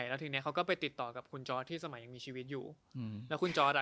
แล้วทีนี้เขาก็ไปติดต่อกับคุณจอร์ดที่สมัยยังมีชีวิตอยู่แล้วคุณจอร์ดอ่ะ